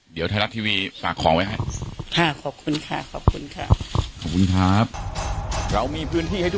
เดี๋ยวไทยรัฐทีวีฝากของไว้ให้ดู